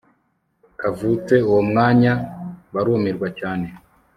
kavutse uwo mwanya barumirwa cyane